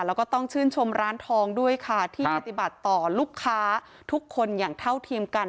แล้วก็ต้องชื่นชมร้านทองด้วยค่ะที่ปฏิบัติต่อลูกค้าทุกคนอย่างเท่าเทียมกัน